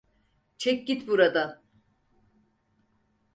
Çek git buradan!